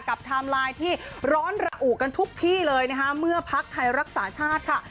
ไทม์ไลน์ที่ร้อนระอุกันทุกที่เลยนะคะเมื่อพักไทยรักษาชาติค่ะ